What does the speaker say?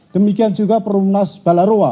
demikian juga perumahan nas balarua